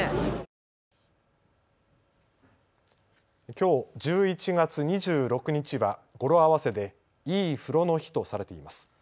きょう１１月２６日は語呂合わせでいい風呂の日とされています。